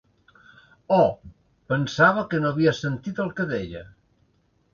Oh, pensava que no havies sentit el que deia.